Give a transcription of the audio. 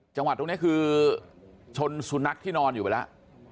จังหวัดตรงนี้คือชนสุนัขที่นอนอยู่ไปแล้ว